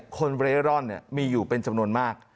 เร่ร่อนมีอยู่เป็นจำนวนมาก